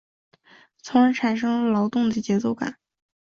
从而产生了劳动的节奏感。